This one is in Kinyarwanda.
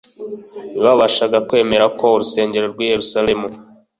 Ntibabashaga kwemera ko urusengero rw’i Yerusalemu